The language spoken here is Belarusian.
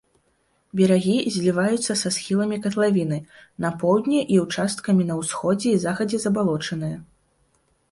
Берагі зліваюцца са схіламі катлавіны, на поўдні і ўчасткамі на ўсходзе і захадзе забалочаныя.